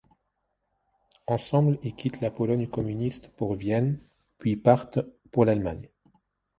Ensemble, ils quittent la Pologne communiste pour Vienne, puis partent pour l'Allemagne.